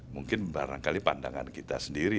mungkin barangkali pandangan kita sendiri